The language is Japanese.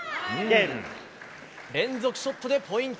連続ショットでポイント。